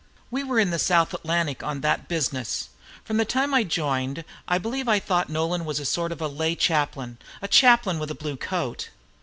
We were in the South Atlantic on that business. From the time I joined, I believe I thought Nolan was a sort of lay chaplain, a chaplain with a blue coat.